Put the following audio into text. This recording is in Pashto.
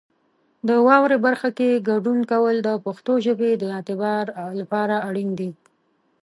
د واورئ برخه کې ګډون کول د پښتو ژبې د اعتبار لپاره اړین دي.